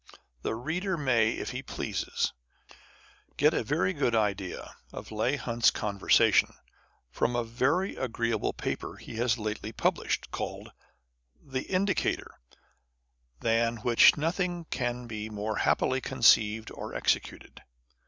The reader may, if he pleases, get a very good idea of Leigh Hunt's conversation from a very agreeable paper he has lately published, called the Indicator, than which nothing can be more happily conceived or executed.